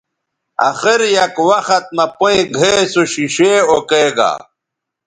اخر یک وخت مہ پئیں گھئے سو ݜیݜے اوکیگا